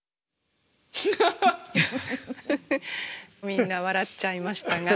みんな笑っちゃいましたが。